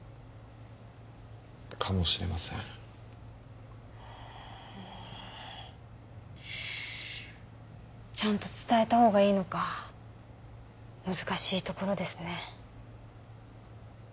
かもしれませんちゃんと伝えたほうがいいのか難しいところですね